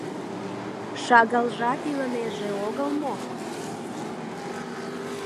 Шагалжат илынеже огыл мо?